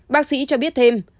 bác sĩ cho biết thêm